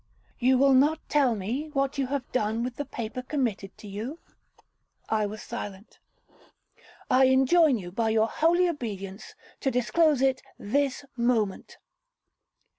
'You will not tell me what you have done with the paper committed to you?'—I was silent.—'I enjoin you, by your holy obedience, to disclose it this moment.'